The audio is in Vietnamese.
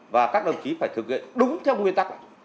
và các đồng chí phải thực hiện đúng theo nguyên tắc